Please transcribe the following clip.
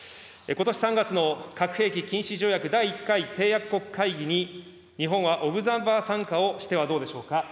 ことし３月の核兵器禁止条約第１回締約国会議に日本はオブザーバー参加をしてはどうでしょうか。